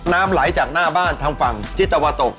น้ำไหลจากหน้าบ้านทางฝั่งทิศตะวันตก